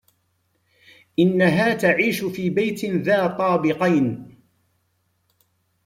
إنها تعيش في بيت ذا طابقين.